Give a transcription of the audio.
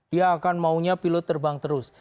dia akan maunya pilot terbang terus